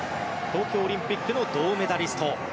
東京オリンピックの銅メダリスト。